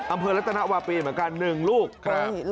อำเภอรัตนวาปีเหมือนกัน๑ลูกครับ